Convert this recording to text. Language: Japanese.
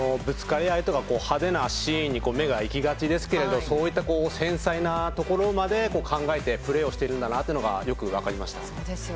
ぶつかり合いとか派手なシーンに目がいきがちですがそういった繊細なところまで考えてプレーしているんだとよく分かりました。